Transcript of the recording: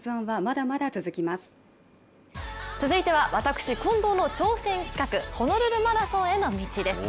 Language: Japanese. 続いては私近藤の挑戦企画「ホノルルマラソンへの道」です。